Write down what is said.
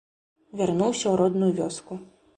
Вярнуўся ў родную вёску.